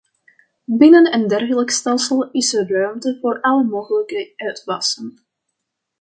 Binnen een dergelijk stelsel is er ruimte voor alle mogelijke uitwassen.